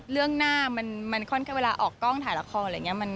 เรื่องหน้าเวลาออกกล้องถ่ายละครอะไรอย่างนี้